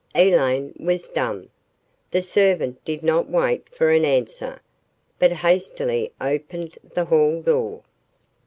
Elaine was dumb. The servant did not wait for an answer, but hastily opened the hall door.